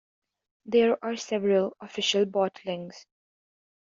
There are several official bottlings.